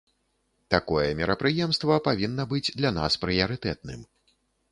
Такое мерапрыемства павінна быць для нас прыярытэтным.